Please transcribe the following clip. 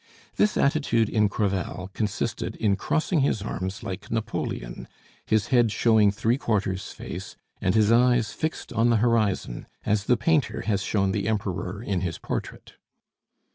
This attitude in Crevel consisted in crossing his arms like Napoleon, his head showing three quarters face, and his eyes fixed on the horizon, as the painter has shown the Emperor in his portrait.